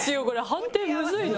判定むずいな。